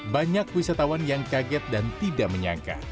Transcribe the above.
banyak wisatawan yang kaget dan tidak menyangka